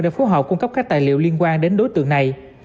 để phối hợp cung cấp các tài liệu liên quan đến đối tượng này